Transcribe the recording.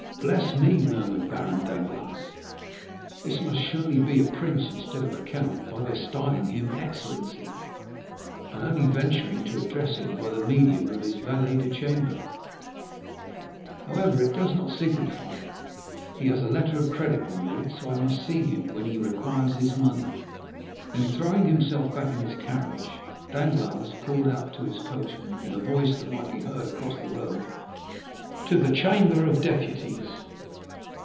"Bless me," murmured Baron Danglars, "this must surely be a prince instead of a count by their styling him 'excellency,' and only venturing to address him by the medium of his valet de chambre. However, it does not signify; he has a letter of credit on me, so I must see him when he requires his money." Then, throwing himself back in his carriage, Danglars called out to his coachman, in a voice that might be heard across the road, "To the Chamber of Deputies."